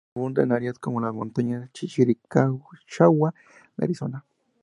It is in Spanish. Abunda en áreas como las Montañas Chiricahua de Arizona.